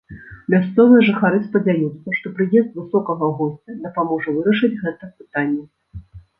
Мясцовыя жыхары спадзяюцца, што прыезд высокага госця дапаможа вырашыць гэта пытанне.